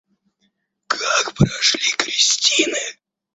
Как прошли крестины?